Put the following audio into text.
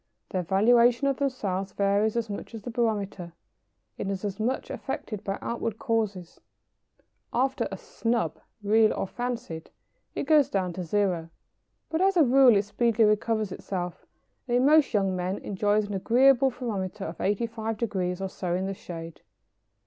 Their valuation of themselves varies as much as the barometer, and is as much affected by outward causes. After a "snub," real or fancied, it goes down to zero, but as a rule it speedily recovers itself, and in most young men enjoys an agreeable thermometer of 85° or so in the shade!